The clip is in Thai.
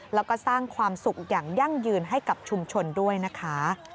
แล้วก็สร้างความสุขอย่างยั่งยืนให้กับชุมชนด้วยนะคะ